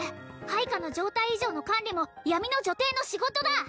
配下の状態異常の管理も闇の女帝の仕事だ！